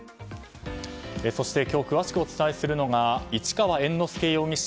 そして今日詳しくお伝えするのが市川猿之助容疑者